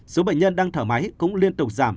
số bệnh nhân đang thở máy cũng liên tục giảm